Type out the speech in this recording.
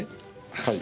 はい。